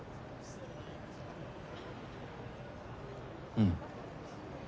うん。